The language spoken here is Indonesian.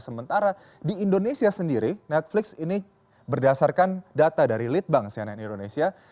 sementara di indonesia sendiri netflix ini berdasarkan data dari litbang cnn indonesia